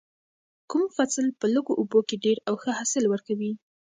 کوم فصل په لږو اوبو کې ډیر او ښه حاصل ورکوي؟